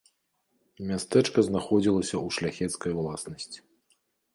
Мястэчка знаходзілася ў шляхецкай уласнасці.